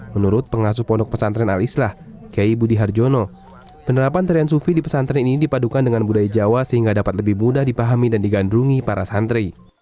menurut pengasuh pondok pesantren al islah kiai budi harjono penerapan tarian sufi di pesantren ini dipadukan dengan budaya jawa sehingga dapat lebih mudah dipahami dan digandrungi para santri